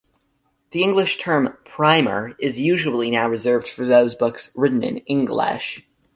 The English term "primer" is usually now reserved for those books written in English.